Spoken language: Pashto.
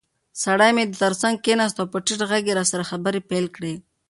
سړی مې تر څنګ کېناست او په ټیټ غږ یې راسره خبرې پیل کړې.